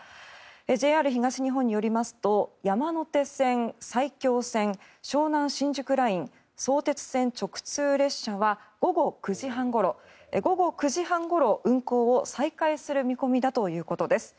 ＪＲ東日本によりますと山手線、埼京線湘南新宿ライン相鉄線直通列車は午後９時半ごろ、運行を再開する見込みだということです。